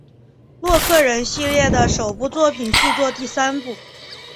洛克人系列的首部作品续作第三部。